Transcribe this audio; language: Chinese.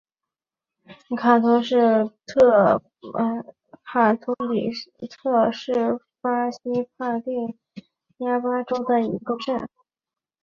卡图里特是巴西帕拉伊巴州的一个市镇。